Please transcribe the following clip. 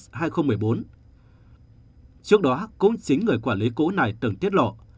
trước đó cũng chính người quản lý cũ này từng tiết lộ